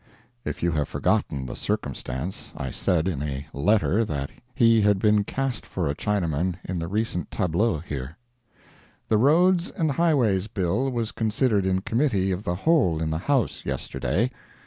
[If you have forgotten the circumstance, I said in a letter that he had been cast for a Chinaman in the recent tableaux here.] The Roads and Highways bill was considered in Committee of the Whole in the House yesterday.